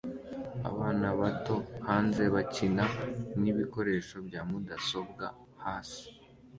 Abana bato hanze bakina nibikoresho bya mudasobwa hasi